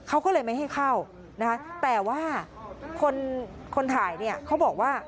เขาก็เลยไม่ให้เข้านะคะแต่ว่าคนคนถ่ายเนี่ยเขาบอกว่า